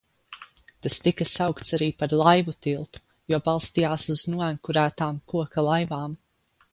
Tas tika saukts arī par Laivu tiltu, jo balstījās uz noenkurotām koka laivām.